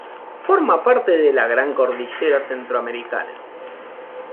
Forma parte de la gran Cordillera Centroamericana.